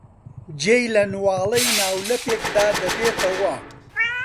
جێی لە نواڵەی ناولەپێکدا دەبێتەوە.